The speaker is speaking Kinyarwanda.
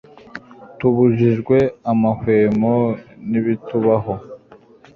tubujijwe amahwemo nibitubaho